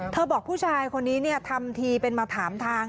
บอกผู้ชายคนนี้ทำทีเป็นมาถามทาง